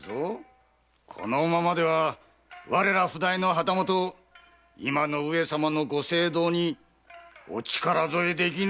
このままでは我ら譜代の旗本は今の上様のご政道にお力添えできぬ！